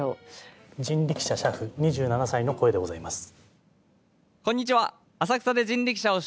人力車俥夫２７歳の声でございます。